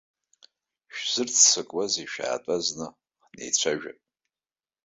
Шәзырццакуазеи, шәаатәа зны, ҳнеицәажәап.